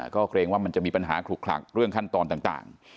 ก็เกรงว่ามันจะมีปัญหาขลุกขลักเรื่องขั้นตอนต่าง